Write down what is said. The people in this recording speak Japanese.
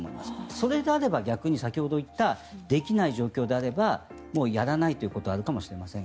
それであれば逆に先ほど言ったできない状況であればもうやらないということはあると思いますが。